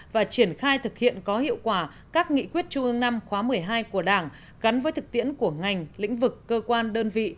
và triển khai thực hiện có hiệu quả các nghị quyết trung ương năm khóa một mươi hai của đảng gắn với thực tiễn của ngành lĩnh vực cơ quan đơn vị